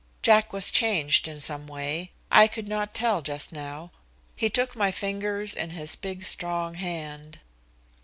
Jack was changed in some way. I could not tell just now. He took my fingers in his big, strong hand.